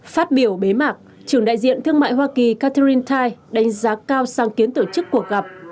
phát biểu bế mạc trưởng đại diện thương mại hoa kỳ catherine đánh giá cao sang kiến tổ chức cuộc gặp